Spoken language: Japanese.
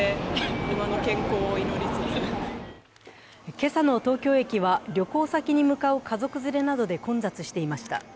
今朝の東京駅は旅行先に向かう家族連れなどで混雑していました。